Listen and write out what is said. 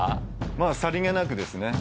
まあさりげなくですね